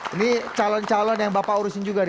ini calon calon yang bapak urusin juga nih